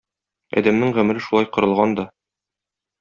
Адәмнең гомере шулай корылган да.